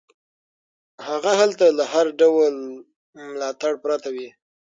هغه هلته له هر ډول ملاتړ پرته وي.